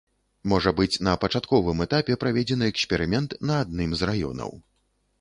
Можа быць на пачатковым этапе праведзены эксперымент на адным з раёнаў.